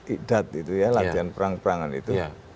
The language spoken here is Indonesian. idat itu ya latihan perang perangan itu